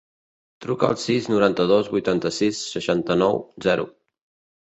Truca al sis, noranta-dos, vuitanta-sis, seixanta-nou, zero.